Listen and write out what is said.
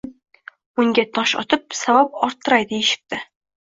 Unga tosh otib savob orttiray deyishipti.